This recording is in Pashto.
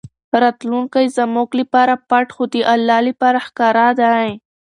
راتلونکی زموږ لپاره پټ خو د الله لپاره ښکاره دی.